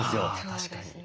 確かに。